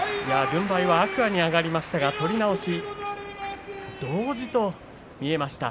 軍配は天空海に上がりましたが取り直し、同時と見えました。